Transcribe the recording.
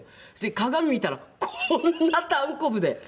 鏡見たらこんなたんこぶで。